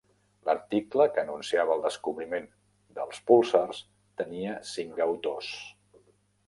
L'article que anunciava el descobriment dels púlsars tenia cinc autors.